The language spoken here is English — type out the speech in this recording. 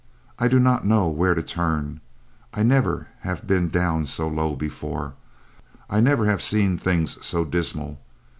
I do not know where to turn I never have been down so low before, I never have seen things so dismal.